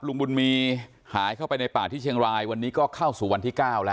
ลุงบุญมีหายเข้าไปในป่าที่เชียงรายวันนี้ก็เข้าสู่วันที่๙แล้ว